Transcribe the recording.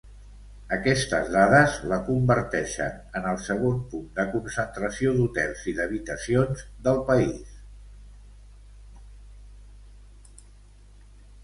Aquestes dades la converteixen en el segon punt de concentració d'hotels i d'habitacions del país.